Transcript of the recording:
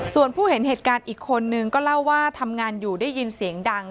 ส่วนผู้เห็นเหตุการณ์อีกคนนึงก็เล่าว่าทำงานอยู่ได้ยินเสียงดัง